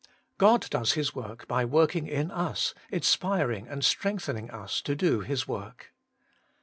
4. God does His work by working in us, in spiring and strengthening us to do His work.